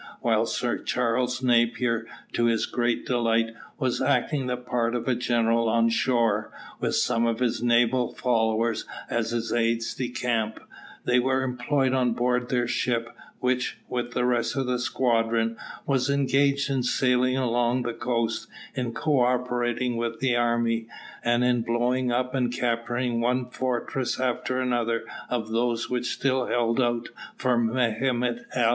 While Sir Charles Napier, to his great delight, was acting the part of a general on shore, with some of his naval followers as his aides de camp, they were employed on board their ship, which, with the rest of the squadron, was engaged in sailing along the coast in cooperating with the army, and in blowing up and capturing one fortress after another of those which still held out for Mehemet Ali.